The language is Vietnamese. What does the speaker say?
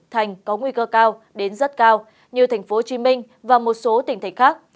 thành có nguy cơ cao đến rất cao như tp hcm và một số tỉnh thành khác